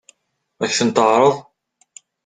Ad k-ten-teɛṛeḍ?